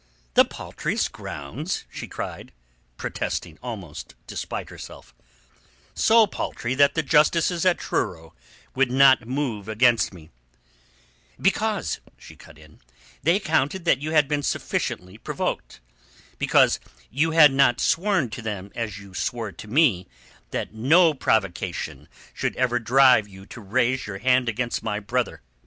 "The paltriest grounds?" she cried, protesting almost despite herself "So paltry that the justices at Truro would not move against me." "Because," she cut in, "they accounted that you had been sufficiently provoked. Because you had not sworn to them as you swore to me that no provocation should ever drive you to raise your hand against my brother.